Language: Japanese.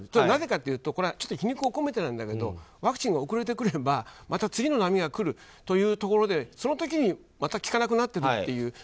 なぜかというと皮肉を込めてなんですけどワクチンが遅れてくればまた次の波がくるというところでその時にまた効かなくなってるという。